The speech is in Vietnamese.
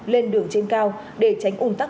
lên đường trên cao để tránh ùn tắc